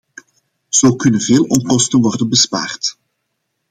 Zo kunnen veel onkosten worden bespaard.